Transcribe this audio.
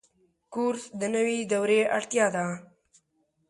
کورس د نوي دورې اړتیا ده.